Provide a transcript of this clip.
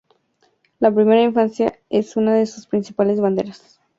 La primera infancia es una de sus principales banderas.